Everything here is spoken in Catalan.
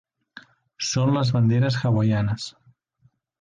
Són les banderes hawaianes.